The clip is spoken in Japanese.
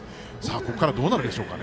ここからどうなるんでしょうか。